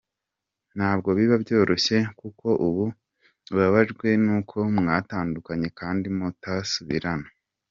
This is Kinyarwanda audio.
Ntabwo biba byoroshye kuko uba ubabajwe nuko mwatandukanye kandi mutasubirana.